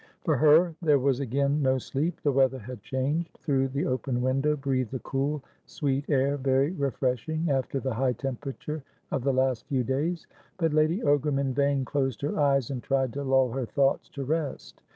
For her, there was again no sleep. The weather had changed; through the open window breathed a cool, sweet air, very refreshing after the high temperature of the last few days; but Lady Ogram in vain closed her eyes and tried to lull her thoughts to rest.